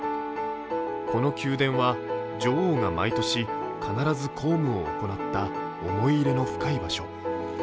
この宮殿は、女王が毎年、必ず公務を行った思い入れの深い場所。